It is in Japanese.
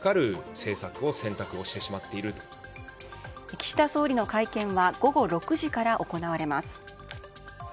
岸田総理の会見は午後６時から行われます。